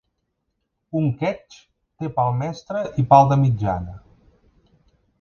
Un quetx té pal mestre i pal de mitjana.